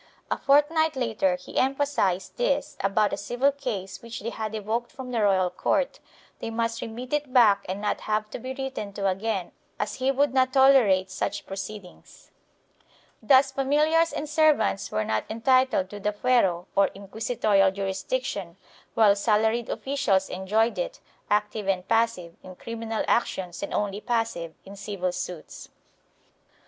A fortnight later he emphasized this about a civil case which they had evoked from the royal court; they must remit it back and not have to be written to again as he would not tolerate such proceedings.5 Thus familiars and servants were not entitled to the fuero, or inquisitorial jurisdiction, while salaried officials enjoyed it, active and passive, in criminal actions and only passive in civil suits.